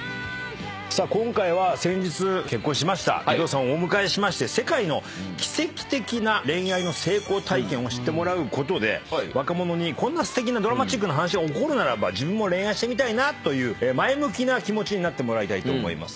さあ今回は先日結婚しました井戸田さんをお迎えしまして世界の奇跡的な恋愛の成功体験を知ってもらうことで若者にこんなすてきなドラマチックな話が起こるならば自分も恋愛してみたいなという前向きな気持ちになってもらいたいと思います。